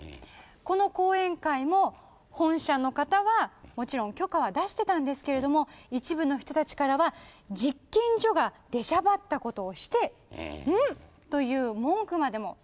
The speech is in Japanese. この講演会も本社の方はもちろん許可は出してたんですけれども一部の人たちからは「実験所が出しゃばったことをして」という文句までも出てたんですよ。